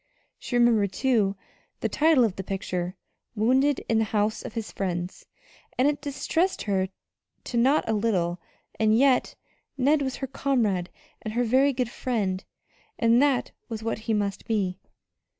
She remembered, too, the title of the picture: "Wounded in the house of his friends," and it distressed her not a little; and yet Ned was her comrade and her very good friend, and that was what he must be.